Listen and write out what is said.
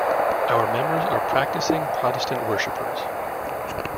Our members are practising Protestant worshippers.